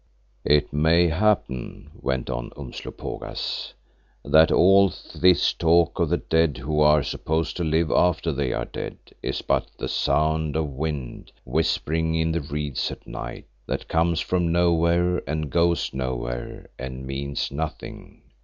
"It may happen," went on Umslopogaas, "that all this talk of the dead who are supposed to live after they are dead, is but as the sound of wind whispering in the reeds at night, that comes from nowhere and goes nowhere and means nothing.